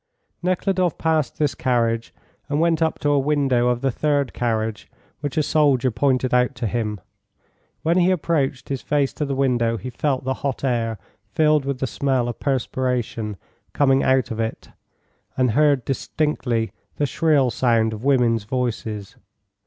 Nekhludoff passed this carriage and went up to a window of the third carriage, which a soldier pointed out to him. When he approached his face to the window, he felt the hot air, filled with the smell of perspiration, coming out of it, and heard distinctly the shrill sound of women's voices.